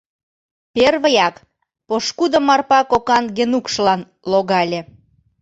Первыяк пошкудо Марпа кокан Генукшылан логале.